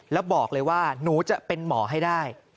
แล้วบอกเลยว่าหนูจะเป็นหมอให้ได้